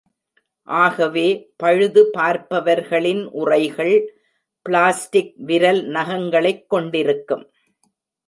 ஆகவே, பழுது பார்ப்பவர்களின் உறைகள் பிளாஸ்டிக் விரல் நகங்களைக் கொண்டிருக்கும்.